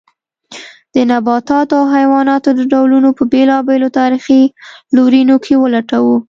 د نباتاتو او حیواناتو د ډولونو په بېلابېلو تاریخي لورینو کې ولټوو.